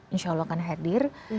insya allah akan hadir